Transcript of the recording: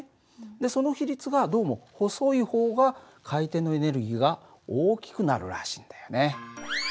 その比率がどうも細い方が回転のエネルギーが大きくなるらしいんだよね。